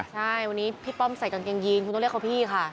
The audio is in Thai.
ใช่วันนี้พี่ป้อมใส่กางเกงยีนคุณต้องเรียกเขาพี่ค่ะ